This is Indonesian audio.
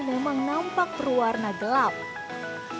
memang nampak berwarna gelap